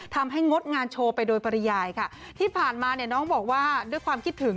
งดงานโชว์ไปโดยปริยายค่ะที่ผ่านมาเนี่ยน้องบอกว่าด้วยความคิดถึง